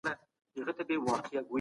موږ کولای سو د ستونزو مخنیوی وکړو..